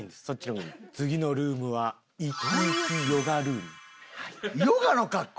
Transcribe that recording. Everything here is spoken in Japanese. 次のルームはヨガの格好？